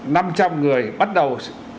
năm trăm linh người bắt đầu